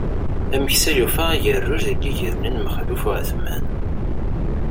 Ameksa yufa agerruj deg iger-nni n Maxluf Uεetman.